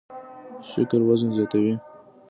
شکر وزن زیاتوي